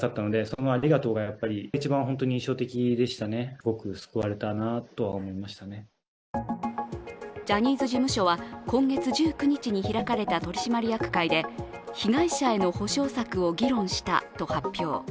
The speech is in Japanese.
すると東山社長はジャニーズ事務所は今月１９日に開かれた取締役会で被害者への補償策を議論したと発表。